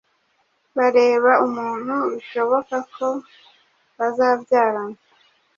bareba umuntu bishoboka ko bazabyarana